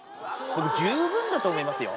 十分だと思いますよ。